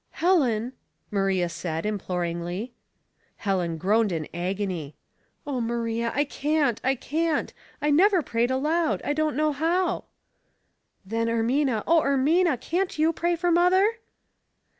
"Helen," Mnria said, imploringly. Helen groaned in agony. "O Maria, 1 can't, I can't I I never prayed aloud. I don't know how." " Then, Ermina, O Ermina, can't you pray for mother